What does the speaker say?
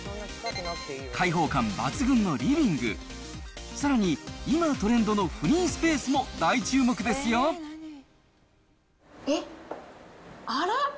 開放感抜群のリビング、さらに、今トレンドのフリースペースも大えっ、あら？